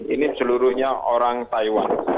ini seluruhnya orang taiwan